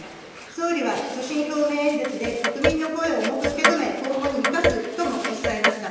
総理は所信表明演説で、国民の声を重く受け止め、今後に生かすともおっしゃいました。